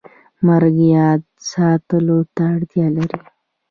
مرګ یاد ساتلو ته اړتیا لري